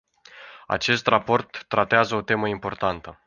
Acest raport tratează o temă importantă.